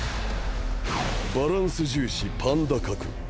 バランス重視パンダ核。